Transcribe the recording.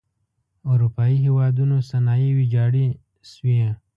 اروپايي هېوادونو صنایع ویجاړې شوئ.